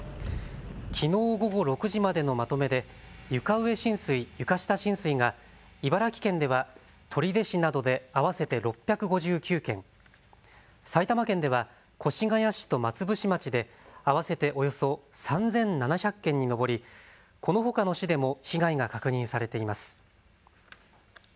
きのう午後６時までのまとめで床上浸水、床下浸水が茨城県では取手市などで合わせて６５９件、埼玉県では越谷市と松伏町で合わせておよそ３７００件に上りこのほかの市でも被害が確認されています。